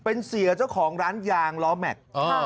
เป็นเสียเจ้าของร้านยางล้อแม็กซ์